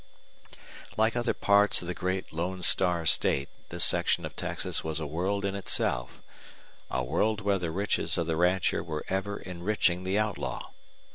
Like other parts of the great Lone Star State, this section of Texas was a world in itself a world where the riches of the rancher were ever enriching the outlaw.